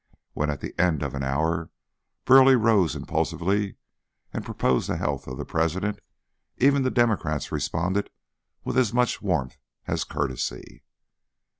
When at the end of an hour Burleigh rose impulsively and proposed the health of the President, even the Democrats responded with as much warmth as courtesy.